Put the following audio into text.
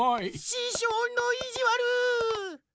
ししょうのいじわる！